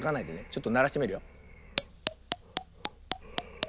ちょっとならしてみるよ。